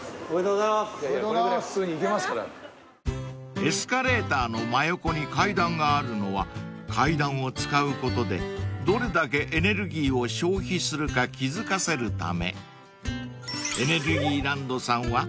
［エスカレーターの真横に階段があるのは階段を使うことでどれだけエネルギーを消費するか気付かせるため］